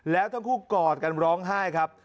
แล้วทั้งคู่กอดกันร้องไห้ครับ